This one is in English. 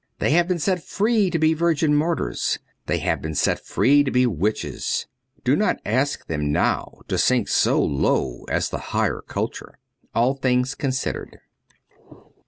They have been set free to be virgin martyrs ; they have been set free to be witches. Do not ask them now to sink so low as the higher culture. '^// Things Considered.'